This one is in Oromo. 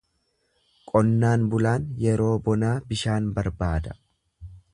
Qonnaan bulaan yeroo bonaa bishaan barbaada.